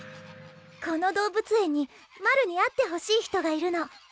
この動物園にマルに会ってほしい人がいるの。